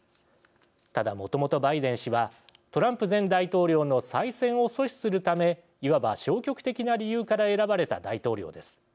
ただ、もともとバイデン氏はトランプ前大統領の再選を阻止するためいわば消極的な理由から選ばれた大統領です。